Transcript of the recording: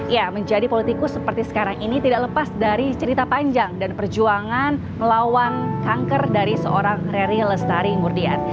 ya menjadi politikus seperti sekarang ini tidak lepas dari cerita panjang dan perjuangan melawan kanker dari seorang rary lestari ngurdian